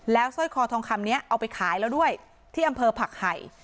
สร้อยคอทองคำนี้เอาไปขายแล้วด้วยที่อำเภอผักไห่